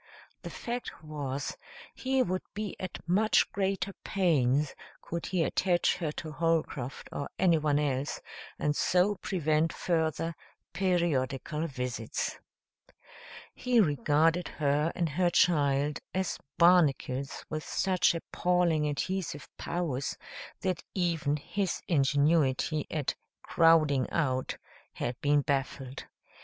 The fact was, he would be at much greater pains could he attach her to Holcroft or anyone else and so prevent further periodical visits. He regarded her and her child as barnacles with such appalling adhesive powers that even his ingenuity at "crowding out" had been baffled.